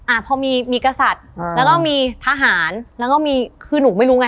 อ่าพอมีมีกษัตริย์อ่าแล้วก็มีทหารแล้วก็มีคือหนูไม่รู้ไง